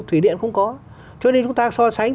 thủy điện không có cho nên chúng ta so sánh